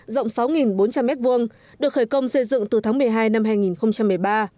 rộng sáu bốn trăm linh m hai được khởi công xây dựng từ tháng một mươi hai năm hai nghìn một mươi ba